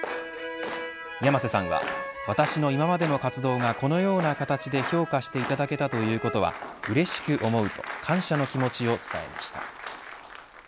山瀬さんは私の今までの活動がこのような形で評価していただけたということはうれしく思うと感謝の気持ちを伝えました。